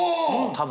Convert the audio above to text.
多分。